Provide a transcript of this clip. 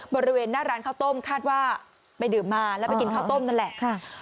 บริเวณหน้าร้านข้าวต้มคาดว่าไปดื่มมาแล้วไปกินข้าวต้มนั่นแหละ